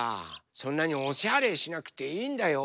そんなにおしゃれしなくていいんだよ。